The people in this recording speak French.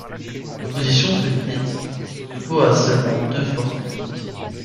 L'opposition se limite de nouveau à seulement deux forces politiques.